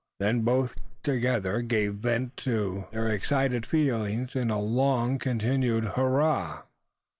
Then both together gave vent to their excited feelings in a long continued hurrah!